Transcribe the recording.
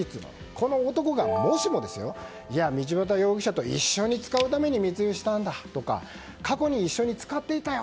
この男がもしも、道端容疑者と一緒に使うために密輸したんだとか過去の一緒に使っていたよ。